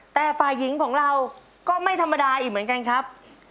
แต่ฝ่ายหญิงของเราก็ไม่ธรรมดาอีกเหมือนกันครับ